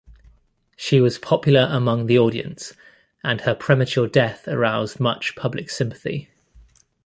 She was popular among the audience and her premature death aroused much public sympathy.